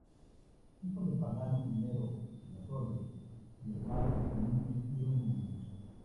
Hijo de Pagano I della Torre, y hermano de Felipe y Raimundo.